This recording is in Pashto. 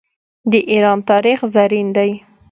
د ایران تاریخ زرین دی.